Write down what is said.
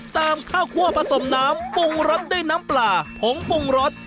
ข้าวคั่วผสมน้ำปรุงรสด้วยน้ำปลาผงปรุงรส